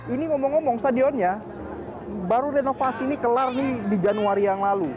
ini ngomong ngomong stadionnya baru renovasi ini kelar nih di januari yang lalu